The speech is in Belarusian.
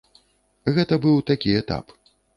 Гэта быў такі этап.